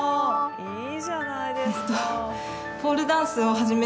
いいじゃないですか。